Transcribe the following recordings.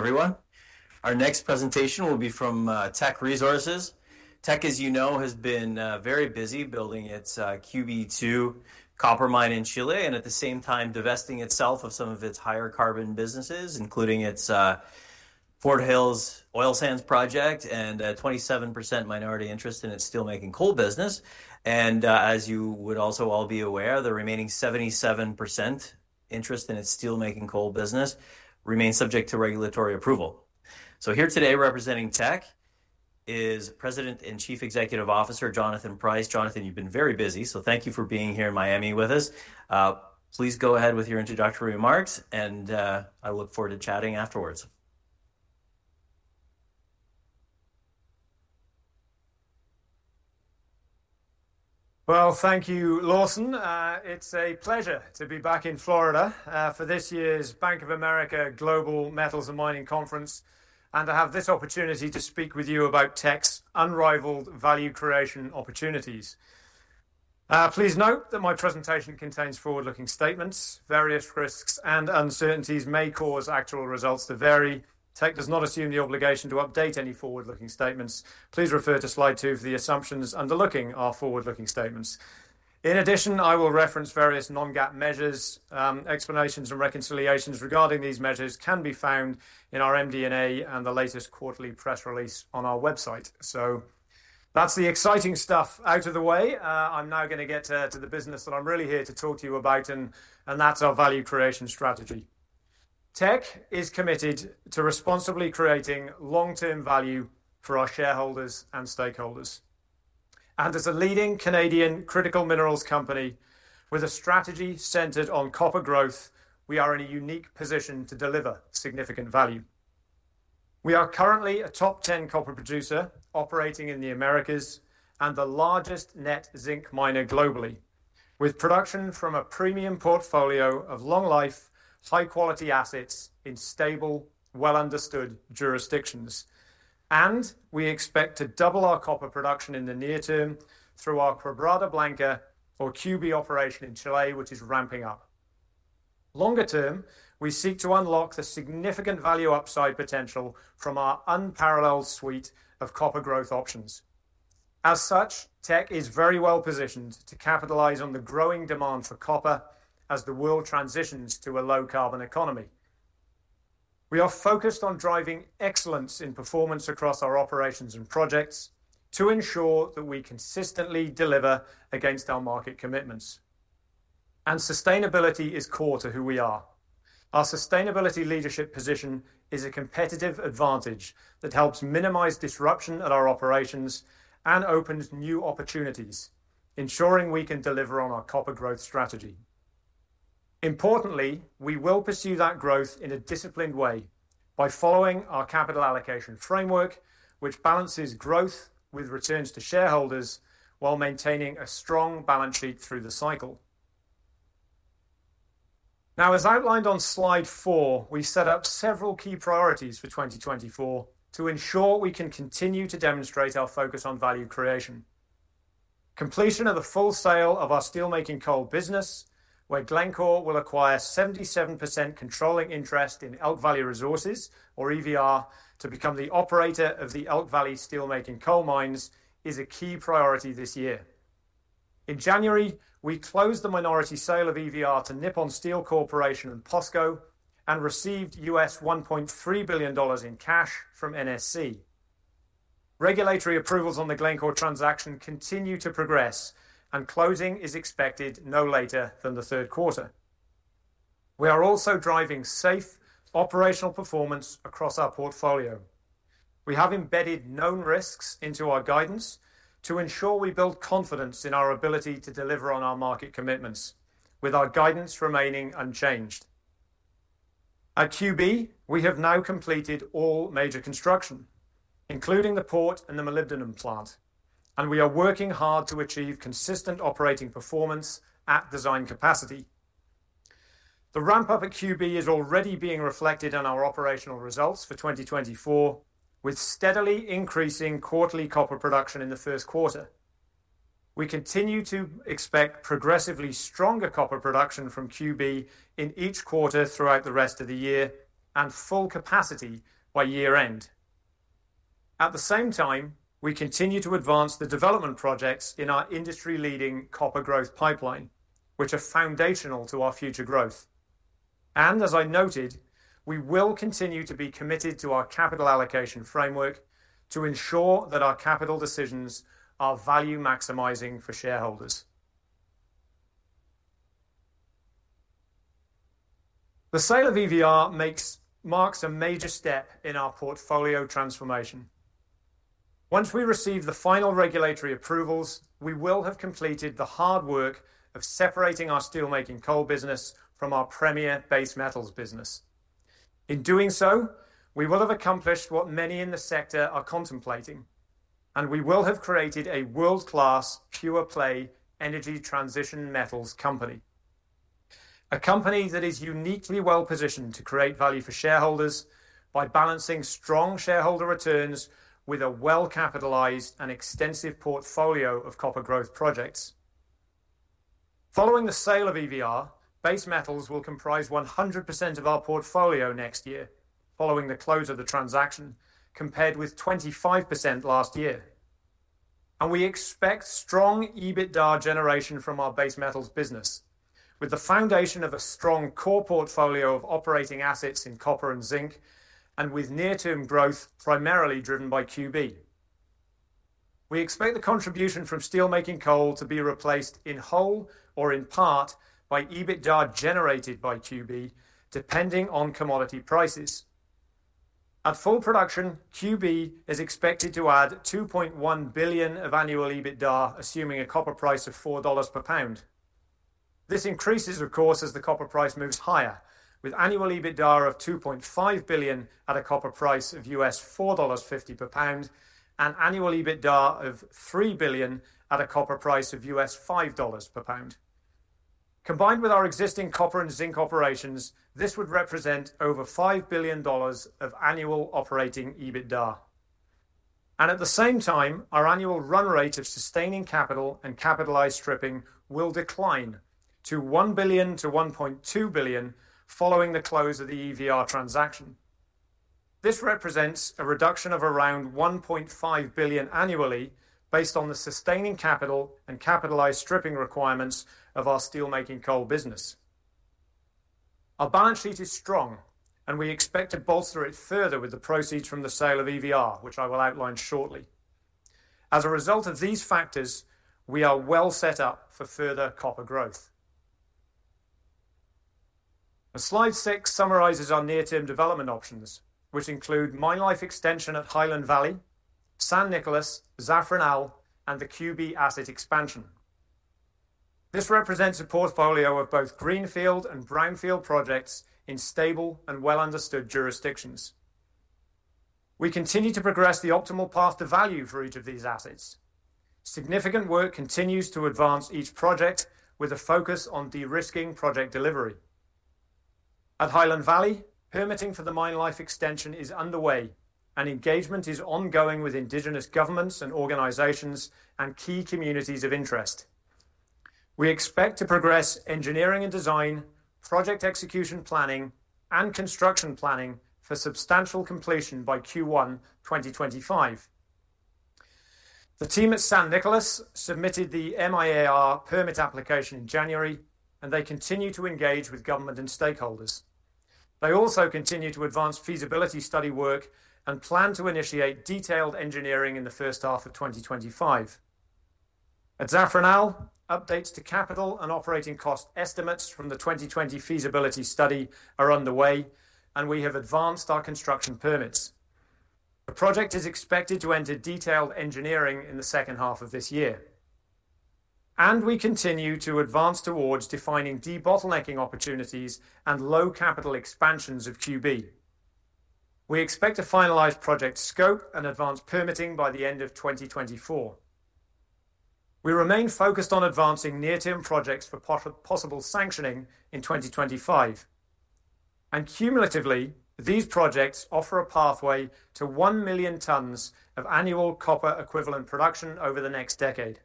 Everyone, our next presentation will be from Teck Resources. Teck, as you know, has been very busy building its QB2 copper mine in Chile and at the same time divesting itself of some of its higher-carbon businesses, including its Fort Hills oil sands project and a 27% minority interest in its steelmaking coal business. As you would also all be aware, the remaining 77% interest in its steelmaking coal business remains subject to regulatory approval. Here today representing Teck is President and Chief Executive Officer Jonathan Price. Jonathan, you've been very busy, so thank you for being here in Miami with us. Please go ahead with your introductory remarks, and I look forward to chatting afterwards. Well, thank you, Lawson. It's a pleasure to be back in Florida, for this year's Bank of America Global Metals and Mining Conference, and to have this opportunity to speak with you about Teck's unrivaled value creation opportunities. Please note that my presentation contains forward-looking statements. Various risks and uncertainties may cause actual results to vary. Teck does not assume the obligation to update any forward-looking statements. Please refer to slide 2 for the assumptions underlying our forward-looking statements. In addition, I will reference various non-GAAP measures, explanations and reconciliations regarding these measures can be found in our MD&A and the latest quarterly press release on our website. So that's the exciting stuff out of the way. I'm now going to get to the business that I'm really here to talk to you about, and that's our value creation strategy. Teck is committed to responsibly creating long-term value for our shareholders and stakeholders. As a leading Canadian critical minerals company with a strategy centered on copper growth, we are in a unique position to deliver significant value. We are currently a top 10 copper producer operating in the Americas and the largest net zinc miner globally, with production from a premium portfolio of long-life, high-quality assets in stable, well-understood jurisdictions. We expect to double our copper production in the near term through our Quebrada Blanca or QB operation in Chile, which is ramping up. Longer term, we seek to unlock the significant value upside potential from our unparalleled suite of copper growth options. As such, Teck is very well positioned to capitalize on the growing demand for copper as the world transitions to a low-carbon economy. We are focused on driving excellence in performance across our operations and projects to ensure that we consistently deliver against our market commitments. Sustainability is core to who we are. Our sustainability leadership position is a competitive advantage that helps minimize disruption at our operations and opens new opportunities, ensuring we can deliver on our copper growth strategy. Importantly, we will pursue that growth in a disciplined way by following our capital allocation framework, which balances growth with returns to shareholders while maintaining a strong balance sheet through the cycle. Now, as outlined on slide 4, we set up several key priorities for 2024 to ensure we can continue to demonstrate our focus on value creation. Completion of the full sale of our steelmaking coal business, where Glencore will acquire 77% controlling interest in Elk Valley Resources, or EVR, to become the operator of the Elk Valley steelmaking coal mines, is a key priority this year. In January, we closed the minority sale of EVR to Nippon Steel Corporation and POSCO and received $1.3 billion in cash from NSC. Regulatory approvals on the Glencore transaction continue to progress, and closing is expected no later than the third quarter. We are also driving safe operational performance across our portfolio. We have embedded known risks into our guidance to ensure we build confidence in our ability to deliver on our market commitments, with our guidance remaining unchanged. At QB, we have now completed all major construction, including the port and the molybdenum plant, and we are working hard to achieve consistent operating performance at design capacity. The ramp-up at QB is already being reflected in our operational results for 2024, with steadily increasing quarterly copper production in the first quarter. We continue to expect progressively stronger copper production from QB in each quarter throughout the rest of the year and full capacity by year-end. At the same time, we continue to advance the development projects in our industry-leading copper growth pipeline, which are foundational to our future growth. As I noted, we will continue to be committed to our capital allocation framework to ensure that our capital decisions are value-maximizing for shareholders. The sale of EVR marks a major step in our portfolio transformation. Once we receive the final regulatory approvals, we will have completed the hard work of separating our steelmaking coal business from our premier base metals business. In doing so, we will have accomplished what many in the sector are contemplating, and we will have created a world-class pure-play energy transition metals company. A company that is uniquely well positioned to create value for shareholders by balancing strong shareholder returns with a well-capitalized and extensive portfolio of copper growth projects. Following the sale of EVR, base metals will comprise 100% of our portfolio next year, following the close of the transaction, compared with 25% last year. We expect strong EBITDA generation from our base metals business, with the foundation of a strong core portfolio of operating assets in copper and zinc, and with near-term growth primarily driven by QB. We expect the contribution from steelmaking coal to be replaced in whole or in part by EBITDA generated by QB, depending on commodity prices. At full production, QB is expected to add $2.1 billion of annual EBITDA, assuming a copper price of $4 per pound. This increases, of course, as the copper price moves higher, with annual EBITDA of $2.5 billion at a copper price of $4.50 per pound and annual EBITDA of $3 billion at a copper price of $5 per pound. Combined with our existing copper and zinc operations, this would represent over $5 billion of annual operating EBITDA. And at the same time, our annual run rate of sustaining capital and capitalized stripping will decline to $1 billion-$1.2 billion following the close of the EVR transaction. This represents a reduction of around $1.5 billion annually based on the sustaining capital and capitalized stripping requirements of our steelmaking coal business. Our balance sheet is strong, and we expect to bolster it further with the proceeds from the sale of EVR, which I will outline shortly. As a result of these factors, we are well set up for further copper growth. Slide 6 summarizes our near-term development options, which include Mine Life Extension at Highland Valley, San Nicolás, Zafranal, and the QB asset expansion. This represents a portfolio of both greenfield and brownfield projects in stable and well-understood jurisdictions. We continue to progress the optimal path to value for each of these assets. Significant work continues to advance each project, with a focus on de-risking project delivery. At Highland Valley, permitting for the Mine Life Extension is underway, and engagement is ongoing with Indigenous governments and organizations and key communities of interest. We expect to progress engineering and design, project execution planning, and construction planning for substantial completion by Q1 2025. The team at San Nicolás submitted the MIA-R permit application in January, and they continue to engage with government and stakeholders. They also continue to advance feasibility study work and plan to initiate detailed engineering in the first half of 2025. At Zafranal, updates to capital and operating cost estimates from the 2020 feasibility study are underway, and we have advanced our construction permits. The project is expected to enter detailed engineering in the second half of this year. We continue to advance towards defining debottlenecking opportunities and low-capital expansions of QB. We expect to finalize project scope and advance permitting by the end of 2024. We remain focused on advancing near-term projects for possible sanctioning in 2025. Cumulatively, these projects offer a pathway to 1,000,000 tons of annual copper equivalent production over the next decade.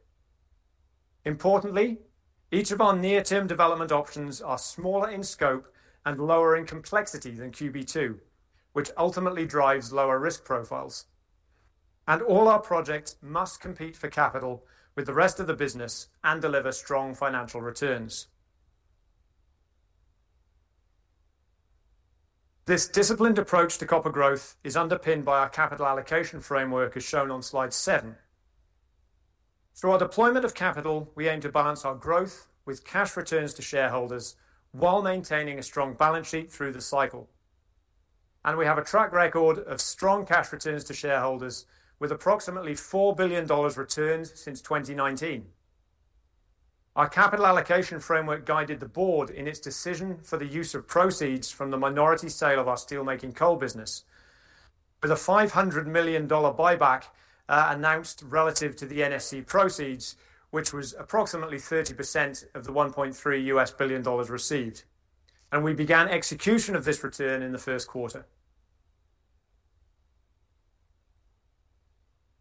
Importantly, each of our near-term development options are smaller in scope and lower in complexity than QB2, which ultimately drives lower risk profiles. All our projects must compete for capital with the rest of the business and deliver strong financial returns. This disciplined approach to copper growth is underpinned by our capital allocation framework, as shown on slide 7. Through our deployment of capital, we aim to balance our growth with cash returns to shareholders while maintaining a strong balance sheet through the cycle. We have a track record of strong cash returns to shareholders, with approximately $4 billion returned since 2019. Our capital allocation framework guided the board in its decision for the use of proceeds from the minority sale of our steelmaking coal business, with a $500 million buyback, announced relative to the NSC proceeds, which was approximately 30% of the $1.3 billion received. We began execution of this return in the first quarter.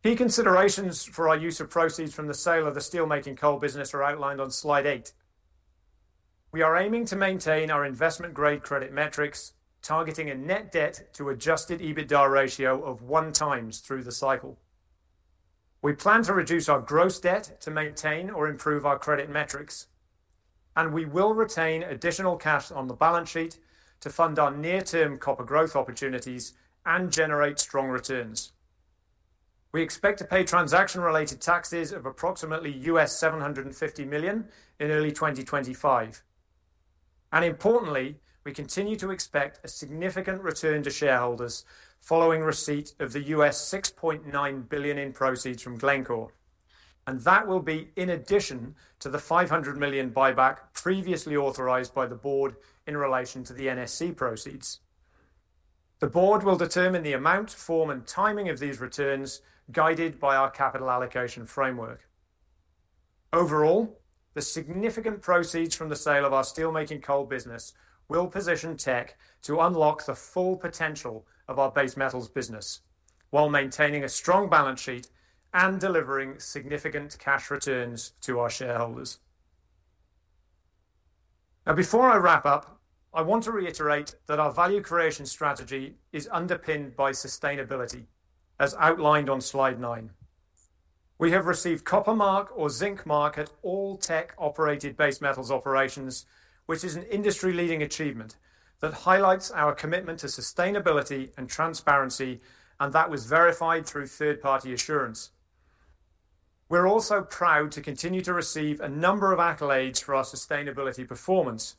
Key considerations for our use of proceeds from the sale of the steelmaking coal business are outlined on slide 8. We are aiming to maintain our investment-grade credit metrics, targeting a net debt to adjusted EBITDA ratio of 1 times through the cycle. We plan to reduce our gross debt to maintain or improve our credit metrics. We will retain additional cash on the balance sheet to fund our near-term copper growth opportunities and generate strong returns. We expect to pay transaction-related taxes of approximately $750 million in early 2025. Importantly, we continue to expect a significant return to shareholders following receipt of the $6.9 billion in proceeds from Glencore. That will be in addition to the $500 million buyback previously authorized by the board in relation to the NSC proceeds. The board will determine the amount, form, and timing of these returns, guided by our capital allocation framework. Overall, the significant proceeds from the sale of our steelmaking coal business will position Teck to unlock the full potential of our base metals business while maintaining a strong balance sheet and delivering significant cash returns to our shareholders. Now, before I wrap up, I want to reiterate that our value creation strategy is underpinned by sustainability, as outlined on slide 9. We have received Copper Mark or Zinc Mark at all Teck-operated base metals operations, which is an industry-leading achievement that highlights our commitment to sustainability and transparency, and that was verified through third-party assurance. We're also proud to continue to receive a number of accolades for our sustainability performance,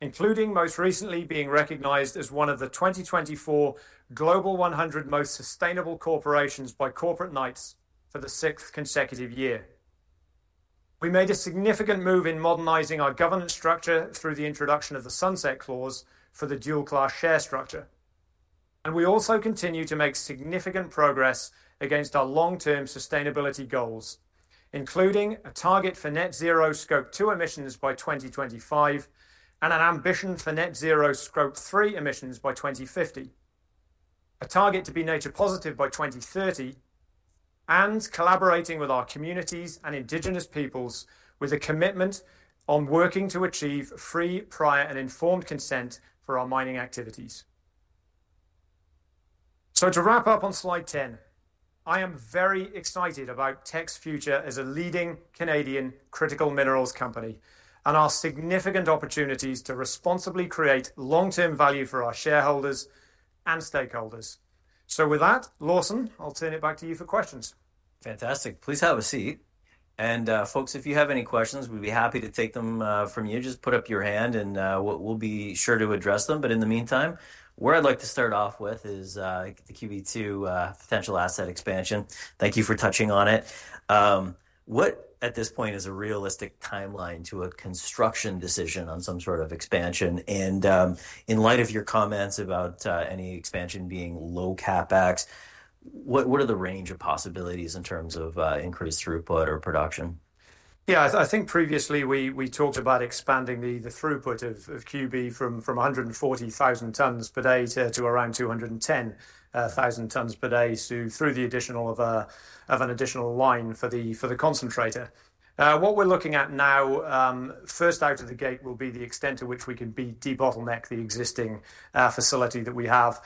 including most recently being recognized as one of the 2024 Global 100 Most Sustainable Corporations by Corporate Knights for the sixth consecutive year. We made a significant move in modernizing our governance structure through the introduction of the Sunset Clause for the dual-class share structure. We also continue to make significant progress against our long-term sustainability goals, including a target for net-zero Scope 2 emissions by 2025 and an ambition for net-zero Scope 3 emissions by 2050. A target to be nature-positive by 2030. And collaborating with our communities and indigenous peoples with a commitment on working to achieve free, prior, and informed consent for our mining activities. So, to wrap up on slide 10, I am very excited about Teck's future as a leading Canadian critical minerals company and our significant opportunities to responsibly create long-term value for our shareholders and stakeholders. So, with that, Lawson, I'll turn it back to you for questions. Fantastic. Please have a seat. And, folks, if you have any questions, we'd be happy to take them from you. Just put up your hand and we'll be sure to address them. But in the meantime, where I'd like to start off with is the QB2 potential asset expansion. Thank you for touching on it. What, at this point, is a realistic timeline to a construction decision on some sort of expansion? In light of your comments about any expansion being low capex, what, what are the range of possibilities in terms of increased throughput or production? Yeah, I think previously we talked about expanding the throughput of QB from 140,000 tons per day to around 210,000 tons per day through the addition of an additional line for the concentrator. What we're looking at now, first out of the gate, will be the extent to which we can debottleneck the existing facility that we have.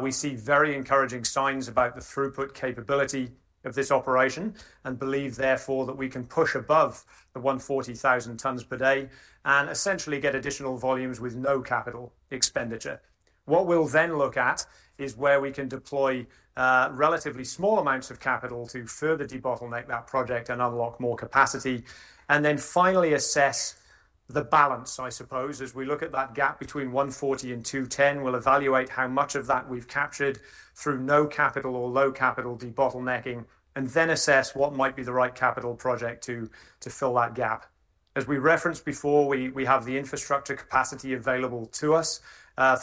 We see very encouraging signs about the throughput capability of this operation and believe, therefore, that we can push above the 140,000 tons per day and essentially get additional volumes with no capital expenditure. What we'll then look at is where we can deploy relatively small amounts of capital to further debottleneck that project and unlock more capacity. And then finally assess the balance, I suppose, as we look at that gap between 140 and 210, we'll evaluate how much of that we've captured through no capital or low capital debottlenecking, and then assess what might be the right capital project to, to fill that gap. As we referenced before, we, we have the infrastructure capacity available to us,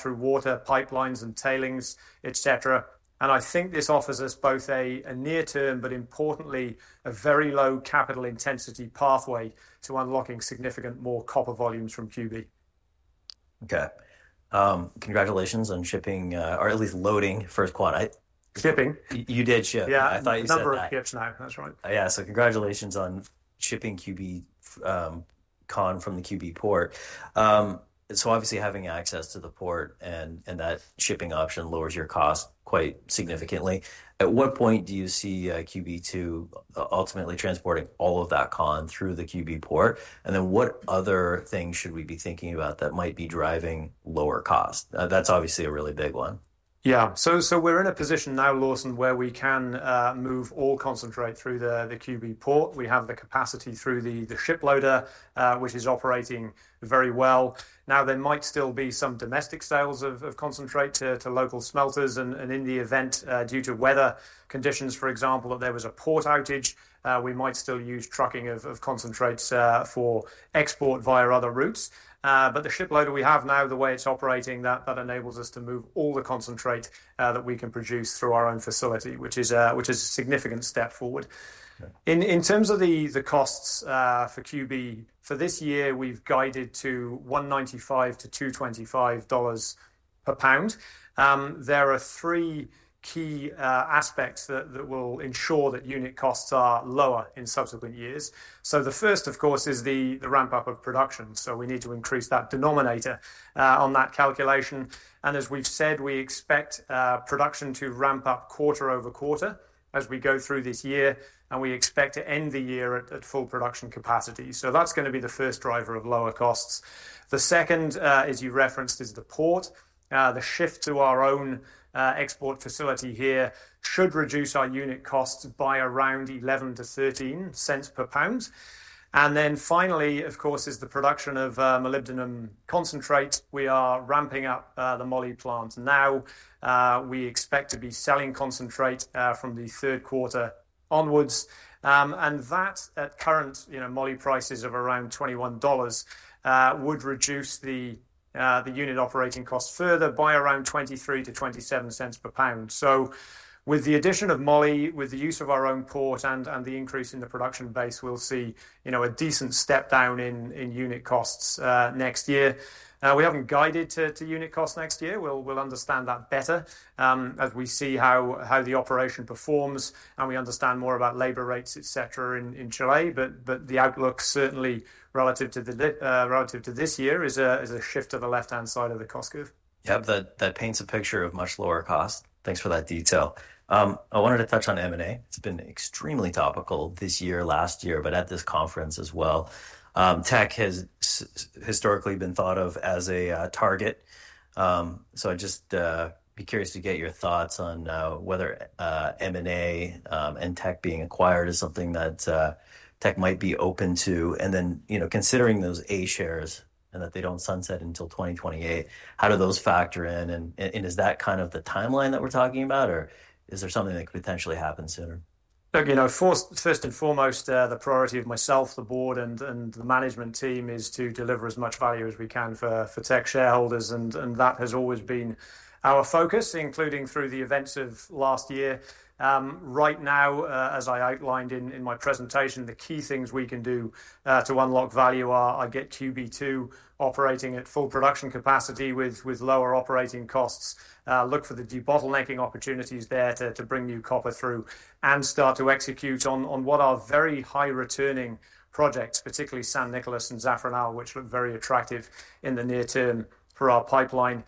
through water, pipelines, and tailings, etc. And I think this offers us both a, a near-term, but importantly, a very low capital intensity pathway to unlocking significant more copper volumes from QB. Okay. Congratulations on shipping, or at least loading first QB. I. Shipping? You, you did ship. Yeah. I thought you said. A number of ships now. That's right. Yeah. So, congratulations on shipping QB con from the QB port. So obviously having access to the port and that shipping option lowers your cost quite significantly. At what point do you see QB2 ultimately transporting all of that con through the QB port? And then what other things should we be thinking about that might be driving lower cost? That's obviously a really big one. Yeah. So we're in a position now, Lawson, where we can move all concentrate through the QB port. We have the capacity through the shiploader, which is operating very well. Now, there might still be some domestic sales of concentrate to local smelters. And in the event, due to weather conditions, for example, that there was a port outage, we might still use trucking of concentrates, for export via other routes. But the shiploader we have now, the way it's operating, that enables us to move all the concentrate that we can produce through our own facility, which is a significant step forward. Yeah. In terms of the costs for QB for this year, we've guided to $1.95-$2.25 per pound. There are three key aspects that will ensure that unit costs are lower in subsequent years. So the first, of course, is the ramp-up of production. So we need to increase that denominator on that calculation. And as we've said, we expect production to ramp up quarter-over-quarter as we go through this year, and we expect to end the year at full production capacity. So that's gonna be the first driver of lower costs. The second, as you referenced, is the port. The shift to our own export facility here should reduce our unit costs by around $0.11-$0.13 per pound. And then finally, of course, is the production of molybdenum concentrate. We are ramping up the molybdenum plant now. We expect to be selling concentrate from the third quarter onwards. And that at current, you know, moly prices of around $21, would reduce the unit operating cost further by around $0.23-$0.27 per pound. So with the addition of moly, with the use of our own port and the increase in the production base, we'll see, you know, a decent step down in unit costs next year. We haven't guided to unit costs next year. We'll understand that better as we see how the operation performs and we understand more about labor rates, etc., in Chile. But the outlook certainly relative to this year is a shift to the left-hand side of the cost curve. Yep. That paints a picture of much lower cost. Thanks for that detail. I wanted to touch on M&A. It's been extremely topical this year, last year, but at this conference as well. Teck has historically been thought of as a target. So I'd just be curious to get your thoughts on whether M&A and Teck being acquired is something that Teck might be open to. And then, you know, considering those A shares and that they don't sunset until 2028, how do those factor in? And is that kind of the timeline that we're talking about, or is there something that could potentially happen sooner? Look, you know, first and foremost, the priority of myself, the board, and the management team is to deliver as much value as we can for Teck shareholders. And that has always been our focus, including through the events of last year. Right now, as I outlined in my presentation, the key things we can do to unlock value are I get QB2 operating at full production capacity with lower operating costs, look for the debottlenecking opportunities there to bring new copper through, and start to execute on what are very high-returning projects, particularly San Nicolás and Zafranal, which look very attractive in the near term for our pipeline.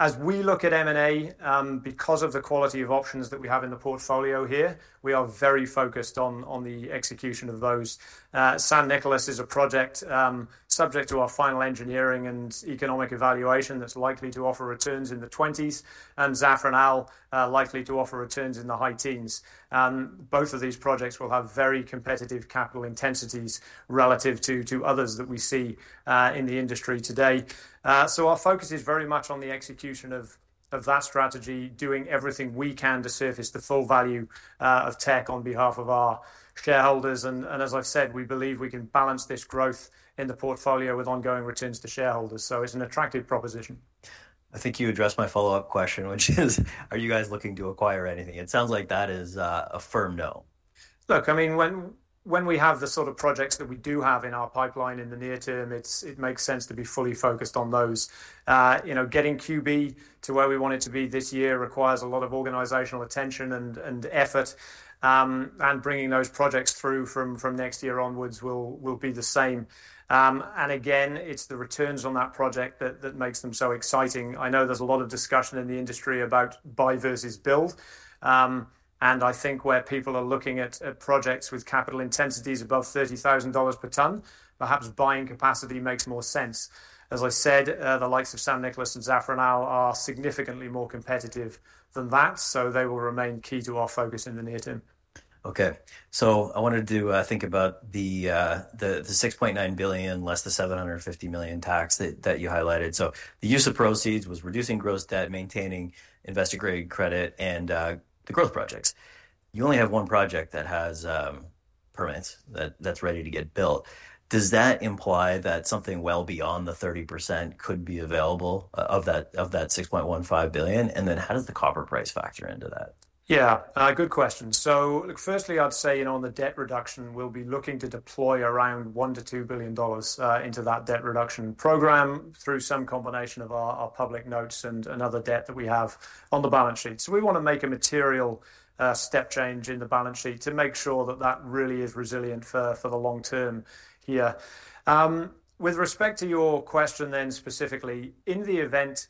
As we look at M&A, because of the quality of options that we have in the portfolio here, we are very focused on the execution of those. San Nicolás is a project, subject to our final engineering and economic evaluation that's likely to offer returns in the 20s and Zafranal, likely to offer returns in the high teens. Both of these projects will have very competitive capital intensities relative to others that we see in the industry today. So our focus is very much on the execution of that strategy, doing everything we can to surface the full value of Teck on behalf of our shareholders. As I've said, we believe we can balance this growth in the portfolio with ongoing returns to shareholders. It's an attractive proposition. I think you addressed my follow-up question, which is, are you guys looking to acquire anything? It sounds like that is a firm no. Look, I mean, when, when we have the sort of projects that we do have in our pipeline in the near term, it's, it makes sense to be fully focused on those. You know, getting QB to where we want it to be this year requires a lot of organizational attention and, and effort. Bringing those projects through from, from next year onwards will, will be the same. And again, it's the returns on that project that, that makes them so exciting. I know there's a lot of discussion in the industry about buy versus build. And I think where people are looking at, at projects with capital intensities above $30,000 per ton, perhaps buying capacity makes more sense. As I said, the likes of San Nicolás and Zafranal are significantly more competitive than that. So they will remain key to our focus in the near term. Okay. So I wanted to think about the $6.9 billion less the $750 million tax that you highlighted. So the use of proceeds was reducing gross debt, maintaining investment grade credit, and the growth projects. You only have one project that has permits that's ready to get built. Does that imply that something well beyond the 30% could be available, of that $6.15 billion? And then how does the copper price factor into that? Yeah. Good question. So look, firstly, I'd say, you know, on the debt reduction, we'll be looking to deploy around $1 billion-$2 billion into that debt reduction program through some combination of our, our public notes and, and other debt that we have on the balance sheet. So we wanna make a material, step change in the balance sheet to make sure that that really is resilient for, for the long term here. With respect to your question then specifically, in the event,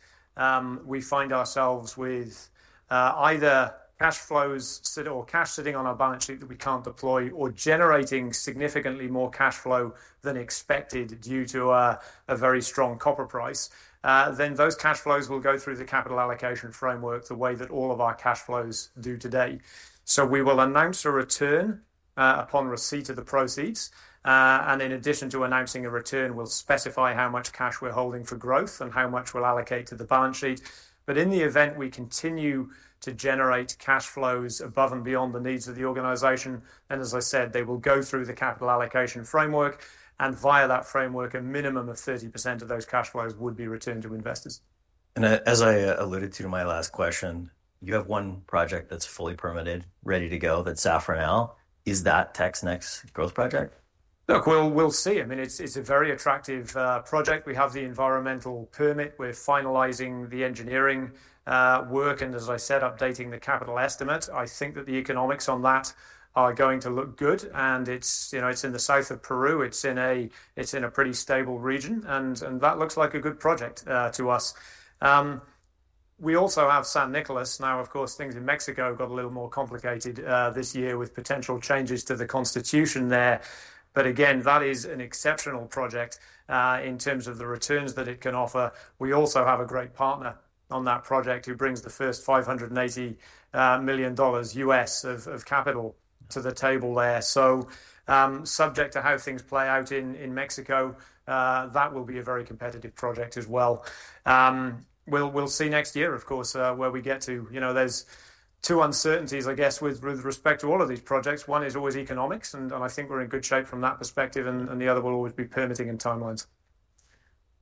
we find ourselves with, either cash flows sit or cash sitting on our balance sheet that we can't deploy or generating significantly more cash flow than expected due to a, a very strong copper price, then those cash flows will go through the capital allocation framework the way that all of our cash flows do today. We will announce a return, upon receipt of the proceeds. In addition to announcing a return, we'll specify how much cash we're holding for growth and how much we'll allocate to the balance sheet. In the event we continue to generate cash flows above and beyond the needs of the organization, and as I said, they will go through the capital allocation framework. Via that framework, a minimum of 30% of those cash flows would be returned to investors. As I alluded to in my last question, you have one project that's fully permitted, ready to go, that's Zafranal. Is that Teck's next growth project? Look, we'll see. I mean, it's a very attractive project. We have the environmental permit. We're finalizing the engineering work and, as I said, updating the capital estimate. I think that the economics on that are going to look good. And it's, you know, it's in the south of Peru. It's in a pretty stable region. And that looks like a good project to us. We also have San Nicolás. Now, of course, things in Mexico got a little more complicated this year with potential changes to the constitution there. But again, that is an exceptional project in terms of the returns that it can offer. We also have a great partner on that project who brings the first $580 million of capital to the table there. So, subject to how things play out in Mexico, that will be a very competitive project as well. We'll see next year, of course, where we get to. You know, there's two uncertainties, I guess, with respect to all of these projects. One is always economics, and I think we're in good shape from that perspective. And the other will always be permitting and timelines.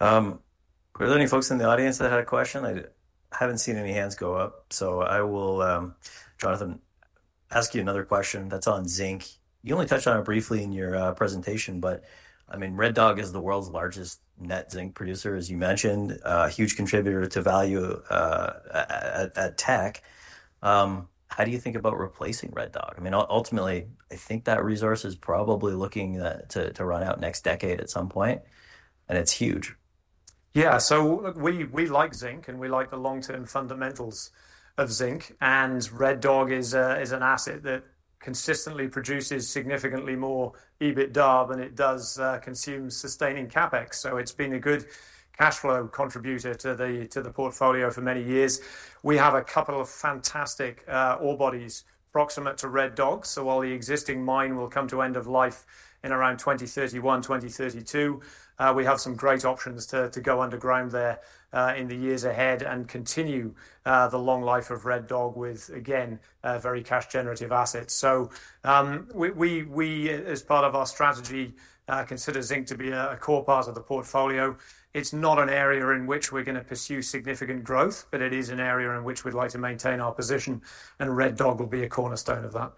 Were there any folks in the audience that had a question? I haven't seen any hands go up. So I will, Jonathan, ask you another question that's on zinc. You only touched on it briefly in your presentation, but I mean, Red Dog is the world's largest net zinc producer, as you mentioned, huge contributor to value at Teck. How do you think about replacing Red Dog? I mean, ultimately, I think that resource is probably looking to run out next decade at some point. And it's huge. Yeah. So look, we, we like zinc and we like the long-term fundamentals of zinc. And Red Dog is an asset that consistently produces significantly more EBITDA than it does consume sustaining capex. So it's been a good cash flow contributor to the portfolio for many years. We have a couple of fantastic ore bodies proximate to Red Dog. So while the existing mine will come to end of life in around 2031, 2032, we have some great options to go underground there in the years ahead and continue the long life of Red Dog with, again, very cash-generative assets. So we as part of our strategy consider zinc to be a core part of the portfolio. It's not an area in which we're gonna pursue significant growth, but it is an area in which we'd like to maintain our position. And Red Dog will be a cornerstone of that.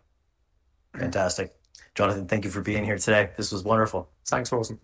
Fantastic. Jonathan, thank you for being here today. This was wonderful. Thanks, Lawson.